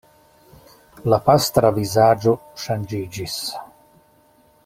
La pastra vizaĝo ŝanĝiĝis.